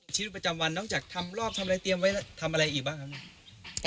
ชีวิตประจำวันนอกจากทำรอบทำอะไรเตรียมไว้ทำอะไรอีกบ้างครับลูก